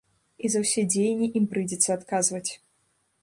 І за ўсе дзеянні ім прыйдзецца адказваць.